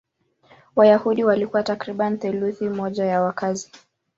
Wayahudi walikuwa takriban theluthi moja ya wakazi.